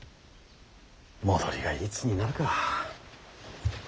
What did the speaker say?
戻りがいつになるか。